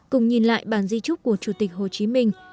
cùng nhìn lại bản di trúc của chủ tịch hồ chí minh